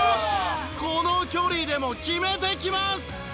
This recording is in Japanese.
この距離でも決めてきます。